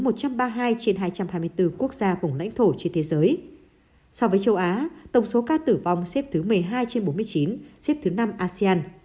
trên hai trăm hai mươi bốn quốc gia vùng lãnh thổ trên thế giới so với châu á tổng số ca tử vong xếp thứ một mươi hai trên bốn mươi chín xếp thứ năm asean